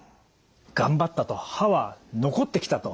頑張ったと歯は残ってきたと。